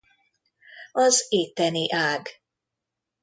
Az itteni ág.